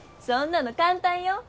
そんなのかんたんよ！